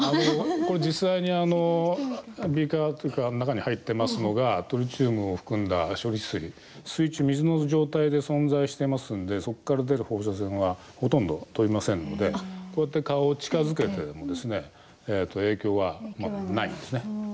これ、実際にビーカー中に入ってますのがトリチウムを含んだ処理水水の状態で存在してますんでそこから出る放射線はほとんど飛びませんのでこうやって顔を近づけても影響がないんですね。